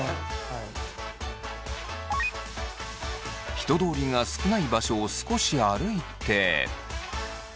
人通りが少ない場所を少し歩いて。